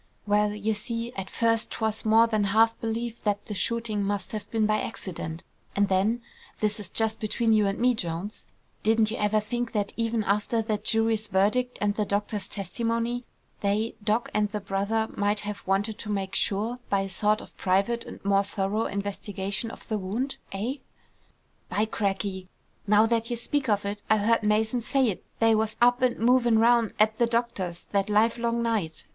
"Well, you see, at first 'twas more than half believed that the shooting must have been by accident; and then, this is just between you and me, Jones; didn't you ever think that even after that jury's verdict, and the doctor's testimony, they, Doc. and the brother, might have wanted to make sure, by a sort of private and more thorough investigation of the wound, eh?" "By crackey! Now that you speak of it, I heard Mason say't they was up an' movin' round at the doctor's that livelong night!